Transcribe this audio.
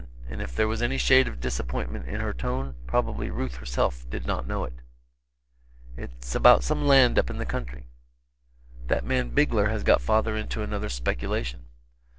and if there was any shade of disappointment in her tone, probably Ruth herself did not know it. "It's about some land up in the country. That man Bigler has got father into another speculation."